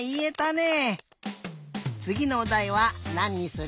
つぎのおだいはなんにする？